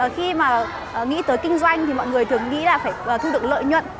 khi mà nghĩ tới kinh doanh thì mọi người thường nghĩ là phải thu được lợi nhuận